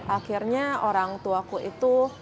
akhirnya orang tuaku itu